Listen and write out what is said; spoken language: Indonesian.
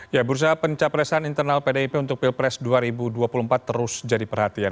ya bursa pencapresan internal pdip untuk pilpres dua ribu dua puluh empat terus jadi perhatian